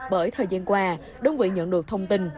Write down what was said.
bởi thời gian qua đơn vị nhận được thông tin